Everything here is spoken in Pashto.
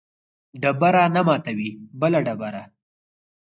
ډبره نه ماتوي بله ډبره